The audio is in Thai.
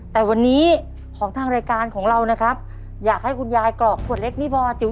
แต่วันนี้ของทางรายการของเรานะครับอยากให้คุณยายกรอกขวดเล็กนี่พอจิ๋ว